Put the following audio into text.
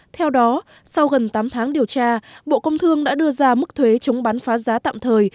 theo đó sau gần tám tháng điều tra bộ công thương đã đưa ra mức thuế chống bán phá giá tạm thời